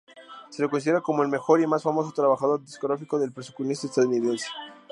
Se le considera como el mejor y más famoso trabajo discográfico del percusionista estadounidense.